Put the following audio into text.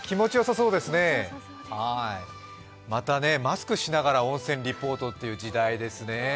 またマスクしながら温泉リポートという時代ですね。